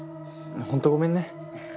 ホントごめんね。